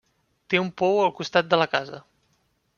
Té un pou al costat de la casa.